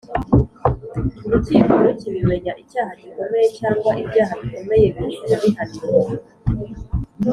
Urukiko Rukibimenya icyaha gikomeye cyangwa ibyaha bikomeye bihita bihanirwa